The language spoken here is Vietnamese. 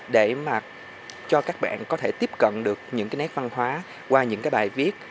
để cho các bạn có thể tiếp cận được những nét văn hóa qua những bài viết